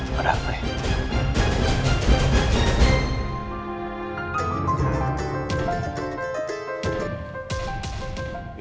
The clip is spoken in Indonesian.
pada apa ya